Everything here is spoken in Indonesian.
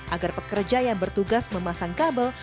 agar pekerja yang bertugas memasang kabel